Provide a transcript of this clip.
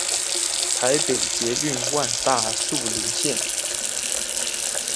台北捷運萬大樹林線